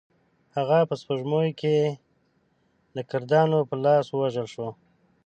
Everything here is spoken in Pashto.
هغه په سپوږمیز کال کې د کردانو په لاس ووژل شو.